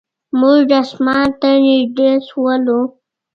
موږ اسمان ته نږدې شولو.